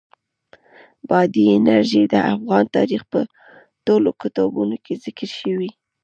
بادي انرژي د افغان تاریخ په ټولو کتابونو کې ذکر شوې.